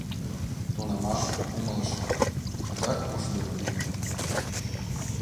Тунамак умылышым — адак ушдымо лийын.